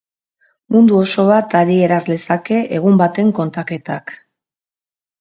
Mundu oso bat adieraz lezake egun baten kontaketak.